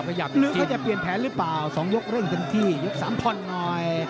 ขยับหรือเปลี่ยนแผนหรือเปล่า๒ยกเริ่มทั้งที่ยก๓พรหน่อย